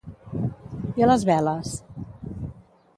I a les veles?